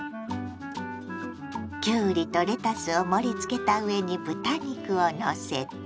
きゅうりとレタスを盛り付けた上に豚肉をのせて。